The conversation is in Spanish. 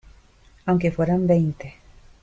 aunque fueran veinte,